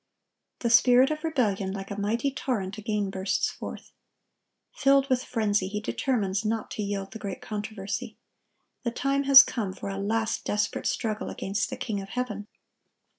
The spirit of rebellion, like a mighty torrent, again bursts forth. Filled with frenzy, he determines not to yield the great controversy. The time has come for a last desperate struggle against the King of heaven.